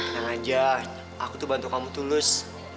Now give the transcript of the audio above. senang aja aku tuh bantu kamu tulus